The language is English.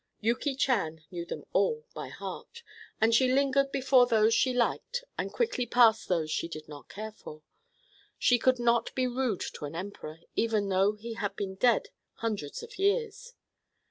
Yuki Chan knew them all by heart, and she lingered before those she liked and quickly passed those she did not care for. She could not be rude to an emperor, even though he had been dead hundreds of years.